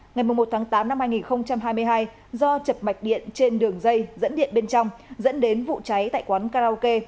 ngày một tháng tám năm hai nghìn hai mươi hai do chập mạch điện trên đường dây dẫn điện bên trong dẫn đến vụ cháy tại quán karaoke